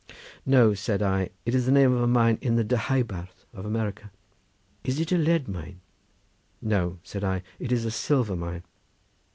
"No," said I; "it is the name of a mine in the Deheubarth of America." "Is it a lead mine?" "No!" said I; "it is a silver mine."